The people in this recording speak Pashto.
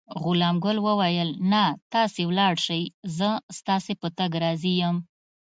غلام ګل وویل: نه، تاسې ولاړ شئ، زه ستاسي په تګ راضي یم.